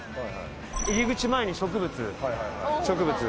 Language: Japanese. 入り口前に植物植物。